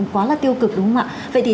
quá là tiêu cực đúng không ạ vậy thì